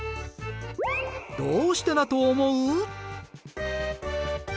どうしてだと思う？